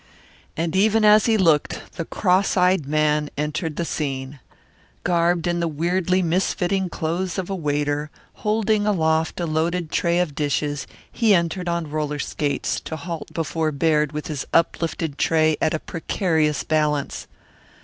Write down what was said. And even as he looked the cross eyed man entered the scene. Garbed in the weirdly misfitting clothes of a waiter, holding aloft a loaded tray of dishes, he entered on roller skates, to halt before Baird with his uplifted tray at a precarious balance.